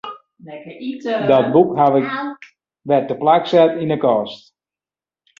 Dat boek haw ik wer teplak set yn 'e kast.